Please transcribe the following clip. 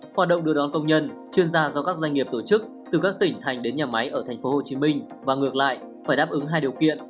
hoạt động đưa đón công nhân chuyên gia do các doanh nghiệp tổ chức từ các tỉnh thành đến nhà máy ở thành phố hồ chí minh và ngược lại phải đáp ứng hai điều kiện